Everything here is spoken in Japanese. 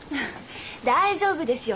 大丈夫ですよ。